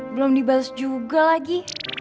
belum dibalik juga lagi